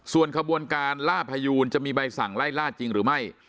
ส่วนขบวนการล่าพยูนจะมีใบสั่งไล่ล่าจริงหรือไม่